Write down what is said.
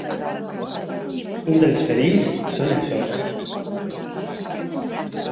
Un dels perills són els ossos.